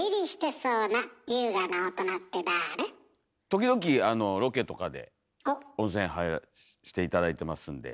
時々ロケとかで温泉入らして頂いてますんで。